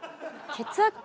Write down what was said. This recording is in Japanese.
血圧。